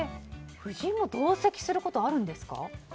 夫人も同席することあるんですか？